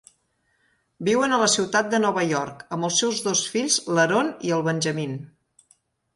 Viuen a la ciutat de Nova York amb els seus dos fills, l'Aaron i el Benjamin.